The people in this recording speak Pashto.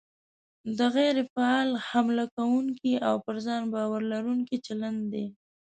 دا غیر فعال، حمله کوونکی او پر ځان باور لرونکی چلند دی.